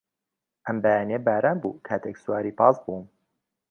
ئەم بەیانییە باران بوو کاتێک سواری پاس بووم.